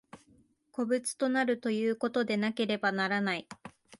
個物となるということでなければならない。